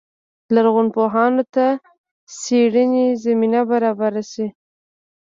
لرغونپوهانو ته څېړنې زمینه برابره شي.